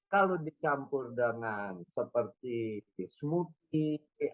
kalau dicampur dengan seperti smoothie